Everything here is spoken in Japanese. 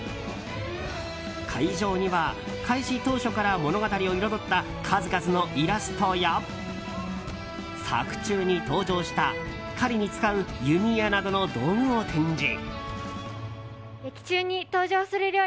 会場には開始当初から物語を彩った数々のイラストや作中に登場した狩りに使う弓矢などの道具を展示。